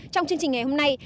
trong chương trình ngày hôm nay